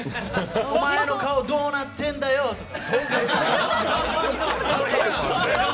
「お前の顔どうなってんだＹＯ」とか。